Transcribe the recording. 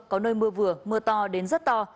có nơi mưa vừa mưa to đến rất to